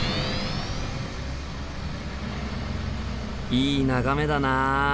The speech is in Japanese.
いい眺めだな！